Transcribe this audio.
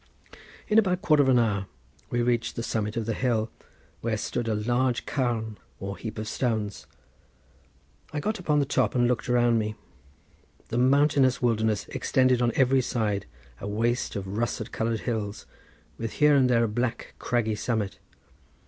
In about a quarter of an hour we reached the summit of the hill, where stood a large carn or heap of stones. I got up on the top and looked around me. A mountainous wilderness extended on every side, a waste of russet coloured hills, with here and there a black, craggy summit.